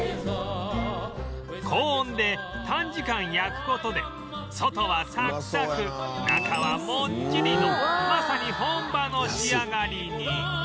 高温で短時間焼く事で外はサクサク中はもっちりのまさに本場の仕上がりに